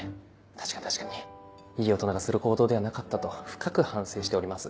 確かに確かにいい大人がする行動ではなかったと深く反省しております。